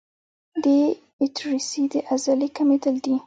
د ایټریسي د عضلې کمېدل دي.